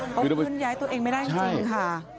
ขอบคุณอย่าให้ตัวเองไม่ได้จริงค่ะ